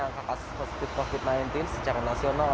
angka kasus positif covid sembilan belas secara nasional